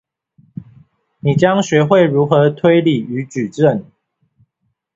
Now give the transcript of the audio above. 你將學會如何推理與舉證